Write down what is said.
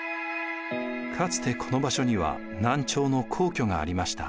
かつてこの場所には南朝の皇居がありました。